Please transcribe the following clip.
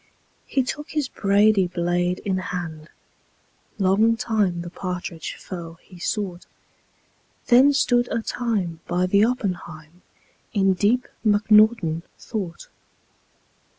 He took his brady blade in hand; Long time the partridge foe he sought. Then stood a time by the oppenheim In deep mcnaughton thought.